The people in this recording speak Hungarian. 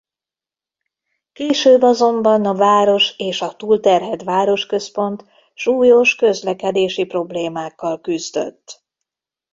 Később azonban a város és a túlterhelt városközpont súlyos közlekedési problémákkal küzdött.